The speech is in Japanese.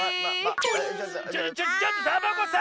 ちょちょちょちょっとサボ子さん！